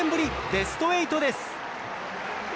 ベスト８です。